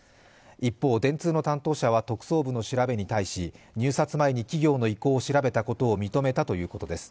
一方、電通の担当者のは特捜部の調べに対し入札前に企業の意向を調べたことを認めたということです。